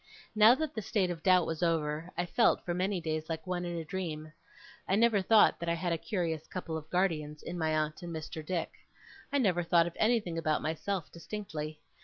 Now that the state of doubt was over, I felt, for many days, like one in a dream. I never thought that I had a curious couple of guardians, in my aunt and Mr. Dick. I never thought of anything about myself, distinctly.